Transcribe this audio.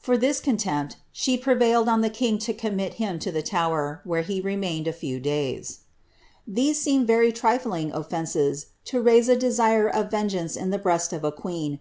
For this contempt she prevailed on the king to commit him to the Tower, wnere he remained a few days.^ These seem very trifiing offences to raise a desire of ven ' Sanderson's Lives of Mary and James VI^ p.